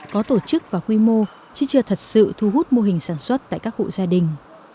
có tổ chức và quy mô chứ chưa thật sự thu hút mô hình sản xuất tại các hộ gia đình